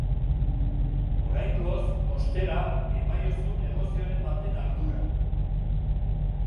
Oraingoz, ostera, emaiozu negozioren baten ardura.